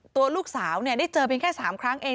ตัวลูกสาวได้เจอเพียงแค่๓ครั้งเอง